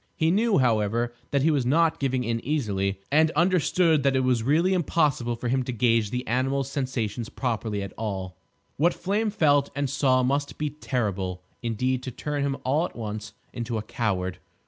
He knew, however, that he was not giving in easily, and understood that it was really impossible for him to gauge the animal's sensations properly at all. What Flame felt, and saw, must be terrible indeed to turn him all at once into a coward.